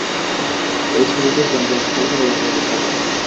এই ছবিটির কেন্দ্রস্থল হল উত্তর কলকাতা।